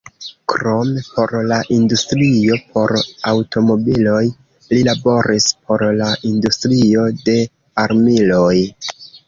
Krom por la industrio por aŭtomobiloj, li laboris por la industrio de armiloj.